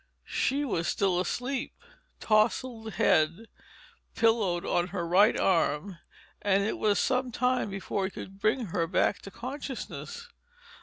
She was still sleeping, tousled head pillowed on her right arm, and it was some time before he could bring her back to consciousness.